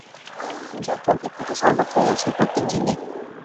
পূজাপ্রবৃত্তি তো সর্বত্রই আছে, প্রত্যেক জীবে।